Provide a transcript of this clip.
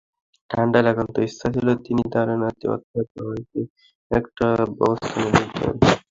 ঠাম্মার একান্ত ইচ্ছা ছিল, তিনি তাঁর নাতি, অর্থাৎ আমাকে একটা ভালো অবস্থানে দেখবেন।